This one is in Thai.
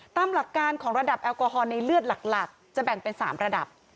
ตามหลักการของระดับแอลกอฮอล์ในเลือดหลักจะแบ่งเป็น๓ระดับ